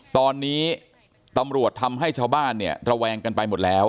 ตอนนี้ตำรวจทำให้ชาวบ้านเนี่ยระแวงกันไปหมดแล้ว